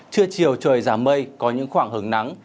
trưa chiều trời giảm mây có những khoảng hứng nắng